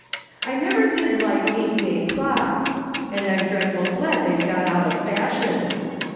I never did like eight day clocks ; and I'm dreadful glad they've gone out of fashion.